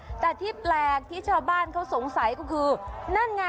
แต่ที่แปลกที่ชาวบ้านเขาสงสัยก็คือนั่นไง